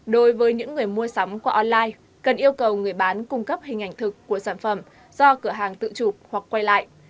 đối với những người mua sắm qua online cần yêu cầu người bán cung cấp hình ảnh thực của sản phẩm do cửa hàng tự chụp hoặc quay lại